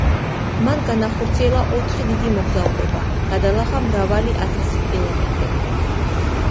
მან განახორციელა ოთხი დიდი მოგზაურობა, გადალახა მრავალი ათასი კილომეტრი.